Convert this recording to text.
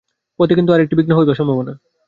পথে কিন্তু আর একটি বিঘ্ন হইবার সম্ভাবনা।